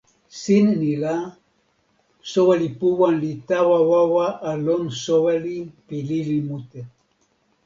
sin ni la, soweli Puwan li tawa wawa a lon soweli pi lili mute!